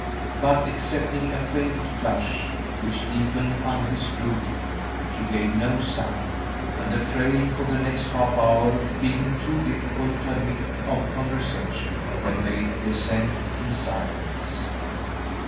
But, excepting a faint flush which deepened under his scrutiny, she gave no sign, and, the trail for the next half hour being too difficult to admit of conversation, they made the ascent in silence.